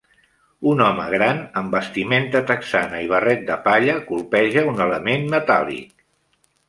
Un home gran amb vestimenta texana i barret de palla colpeja un element metàl·lic.